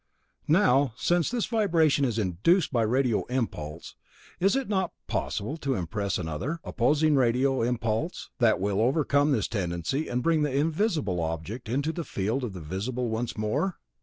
"Now, since this vibration is induced by radio impulse, is it not possible to impress another, opposing radio impulse, that will overcome this tendency and bring the invisible object into the field of the visible once more?